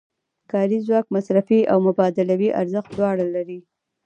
کاري ځواک مصرفي او مبادلوي ارزښت دواړه لري